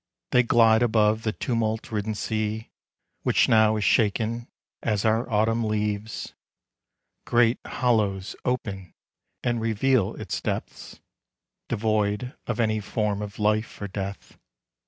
They glide above the tumult ridden sea Which now is shaken as are autumn leaves ; Great hollows open and reveal its depths — Devoid of any form of life or death.